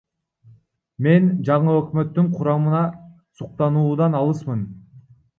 Мен жаңы өкмөттүн курамына суктануудан алысмын.